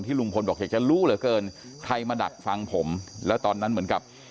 ลุงพลบอกอยากจะรู้เหลือเกินใครมาดักฟังผมแล้วตอนนั้นเหมือนกับ